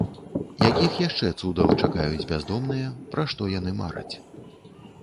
Якіх яшчэ цудаў чакаюць бяздомныя, пра што яны мараць?